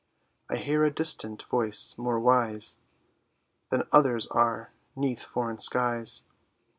I hear a distant voice, more wise Than others are 'neath foreign skies.